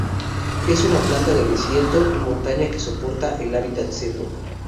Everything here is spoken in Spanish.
Es una planta de desierto y montaña que soporta el hábitat seco.